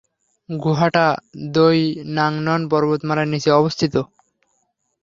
গুহাটা Doi Nang Non পর্বতমালার নিচে অবস্থিত।